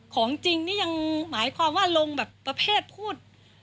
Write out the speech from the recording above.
ของจริงนี่ยังหมายความว่าลงแบบประเภทพูด